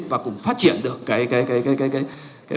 và cũng phát triển được cái bất động sản